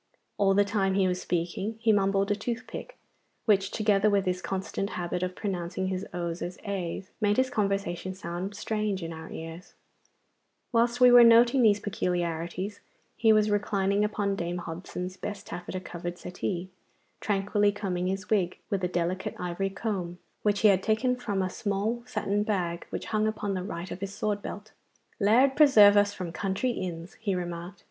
All the time he was speaking he mumbled a toothpick, which together with his constant habit of pronouncing his o's as a's made his conversation sound strange to our ears. (Note D Appendix) Whilst we were noting these peculiarities he was reclining upon Dame Hobson's best taffatta covered settee, tranquilly combing his wig with a delicate ivory comb which he had taken from a small satin bag which hung upon the right of his sword belt. 'Lard preserve us from country inns!' he remarked.